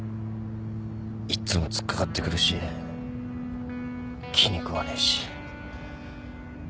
いっつも突っ掛かってくるし気に食わねえし。